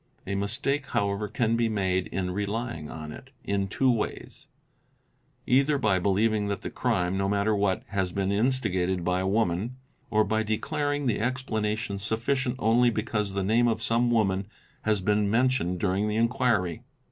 A mistake however can be made in relying on it, in two ways; either by believing that the crime, no matter what, has been instigated _by a woman ; or by declaring the explanation sufficient only because the tame of some woman has been mentioned during the inquiry.